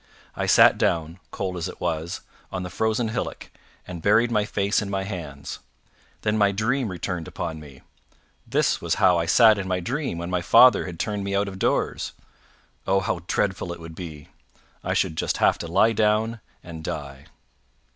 I sat down, cold as it was, on the frozen hillock, and buried my face in my hands. Then my dream returned upon me. This was how I sat in my dream when my father had turned me out of doors. Oh how dreadful it would be! I should just have to lie down and die.